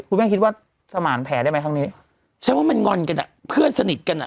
คุณแม่คิดว่าสมานแผลได้ไหมครั้งนี้ฉันว่ามันงอนกันอ่ะเพื่อนสนิทกันอ่ะ